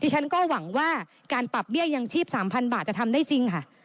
ฉันก็หวังว่าการปรับเบี้ยยังชีพ๓๐๐บาทจะทำได้จริงค่ะ